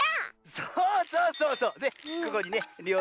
そうそうそうそう。